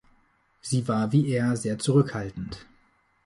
Sie war wie er sehr zurückhaltend.